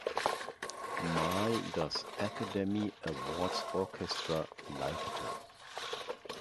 Mal das "Academy Awards Orchestra" leitete.